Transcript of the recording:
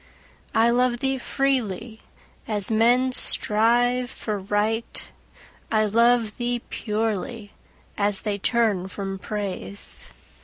I love thee freely, as men strive for Right; I love thee purely, as they turn from Praise.